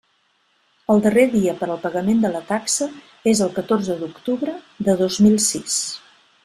El darrer dia per al pagament de la taxa és el catorze d'octubre de dos mil sis.